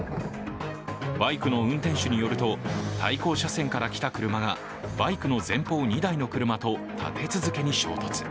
バイクの運転手によると対向車線から来た車がバイクの前方２台の車と立て続けに衝突。